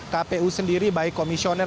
kpu sendiri baik komisioner